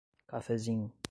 Cafézinho